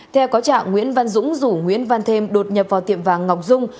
theo có trạng nguyễn văn dũng rủ nguyễn văn thêm đột nhập vào tiệm vàng ngọc dung